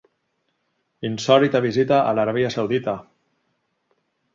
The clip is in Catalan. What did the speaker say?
Insòlita visita a l'Aràbia Saudita.